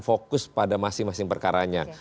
fokus pada masing masing perkaranya